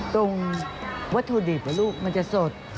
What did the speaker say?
วัตถุดิบลูกมันจะสด